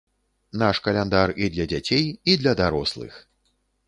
Наш каляндар і для дзяцей, і для дарослых!